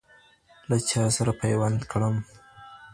له چا سره پیوند کړم